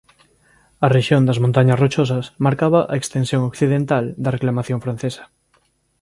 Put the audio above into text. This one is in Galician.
A rexión das Montañas Rochosas marcaban a extensión occidental da reclamación francesa.